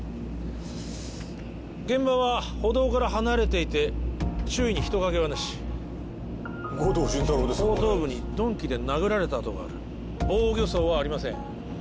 現場は歩道から離れていて周囲に人影はなし後頭部に鈍器で殴られた痕がある防御創はありません